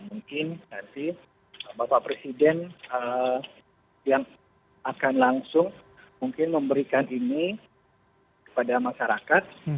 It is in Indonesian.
mungkin nanti bapak presiden yang akan langsung mungkin memberikan ini kepada masyarakat